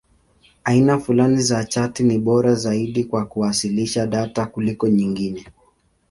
Aina fulani za chati ni bora zaidi kwa kuwasilisha data kuliko nyingine.